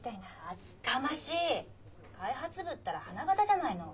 厚かましい！開発部ったら花形じゃないの。